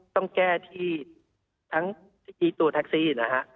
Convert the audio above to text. ต้องแก้ที่ทั้งเมื่อกี้ตัวแท็กซี่นะฮะ